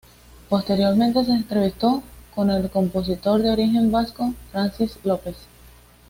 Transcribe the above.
Posteriormente se entrevistó con el compositor de origen vasco Francis Lopez.